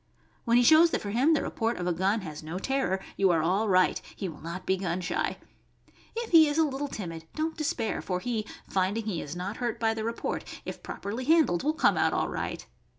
When he shows that for him the report of a gun has no terror, you are all right; he will not be gun shy. If he is a little timid, don't despair, for he— finding he is not hurt by the report — if properly handled, will come out all right.